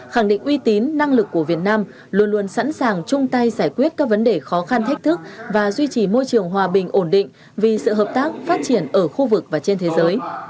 khẳng định uy tín năng lực của việt nam luôn luôn sẵn sàng chung tay giải quyết các vấn đề khó khăn thách thức và duy trì môi trường hòa bình ổn định vì sự hợp tác phát triển ở khu vực và trên thế giới